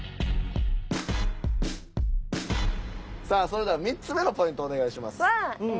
さあそれでは３つ目のポイントをお願いします。